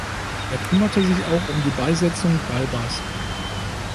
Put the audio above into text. Er kümmerte sich auch um die Beisetzung Galbas.